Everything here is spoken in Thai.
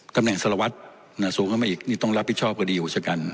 ตำแหน่งสลวัสตร์สูงขึ้นไปอีกนี่ต้องรับผิดชอบกะดิหอยู่ชะกัน